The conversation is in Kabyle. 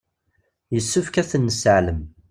Yessefk ad ten-nesseɛlem.